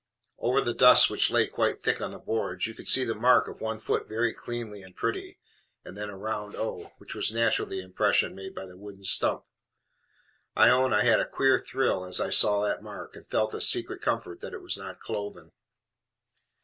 Over the dust which lay quite thick on the boards, you could see the mark of one foot very neat and pretty, and then a round O, which was naturally the impression made by the wooden stump. I own I had a queer thrill as I saw that mark, and felt a secret comfort that it was not CLOVEN.